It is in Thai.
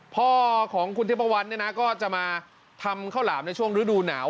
พ่อของคุณทิพวันเนี่ยนะก็จะมาทำข้าวหลามในช่วงฤดูหนาว